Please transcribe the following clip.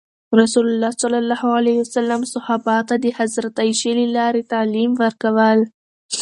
رسول الله ﷺ صحابه ته د حضرت عایشې له لارې تعلیم ورکول.